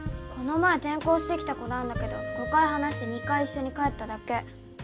この前転校してきた子なんだけど５回話して２回一緒に帰っただけ。